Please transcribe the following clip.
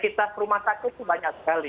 aktivitas rumah sakit itu banyak sekali